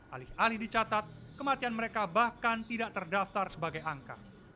alih alih dicatat kematian mereka bahkan tidak terdaftar sebagai angka